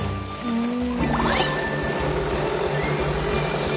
うん。